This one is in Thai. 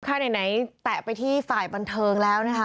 ไหนแตะไปที่ฝ่ายบันเทิงแล้วนะคะ